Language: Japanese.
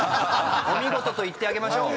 お見事と言ってあげましょう。